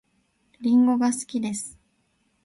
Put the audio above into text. りんごが好きです